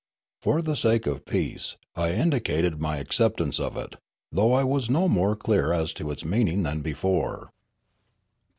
For the sake of peace, I indicated my acceptance of it, though I was no more clear as to its meaning than before.